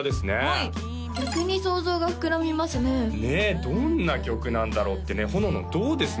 はい逆に想像が膨らみますねねえどんな曲なんだろうってねほののんどうです？